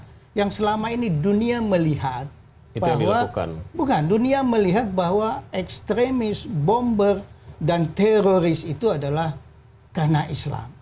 pemikiran yang selama ini dunia melihat bahwa ekstremis bomber dan teroris itu adalah karena islam